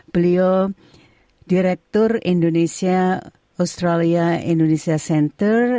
beliau direktur indonesia australia indonesia center